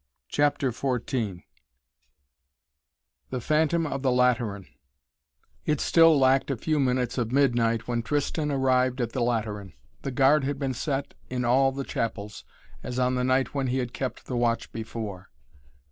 CHAPTER XIV THE PHANTOM OF THE LATERAN It still lacked a few minutes of midnight when Tristan arrived at the Lateran. The guard had been set in all the chapels, as on the night when he had kept the watch before.